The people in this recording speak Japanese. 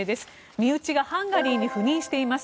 身内がハンガリーに赴任しています。